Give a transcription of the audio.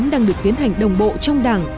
đang được tiến hành đồng bộ trong đảng